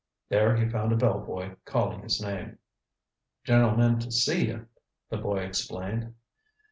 There he found a bell boy calling his name. "Gen'lemun to see you," the boy explained.